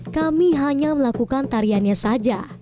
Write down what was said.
kami hanya melakukan tariannya saja